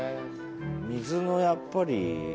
水のやっぱり。